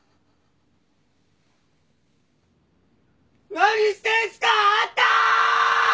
何してんすかあんた！